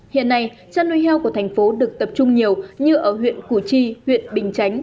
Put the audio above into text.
hiện nay chăn nuôi heo của thành phố được tập trung nhiều như ở huyện củ chi huyện bình chánh